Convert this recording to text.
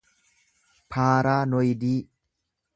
paaraanoyidii